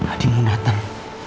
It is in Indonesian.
adi mau datang